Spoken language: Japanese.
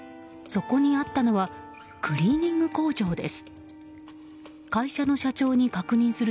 そこにあったのはクリーニング工場です。